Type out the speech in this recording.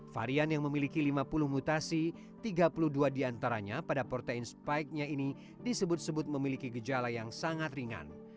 varian yang memiliki lima puluh mutasi tiga puluh dua diantaranya pada protein spike nya ini disebut sebut memiliki gejala yang sangat ringan